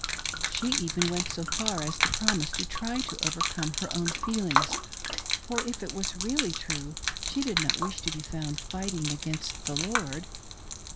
She even went so far as to promise to try to overcome her own feelings, for if it was really true she did not wish to be found fighting against the Lord.